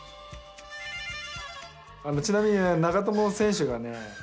ちなみに長友選手がね